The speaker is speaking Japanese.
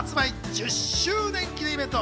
１０周年記念イベント。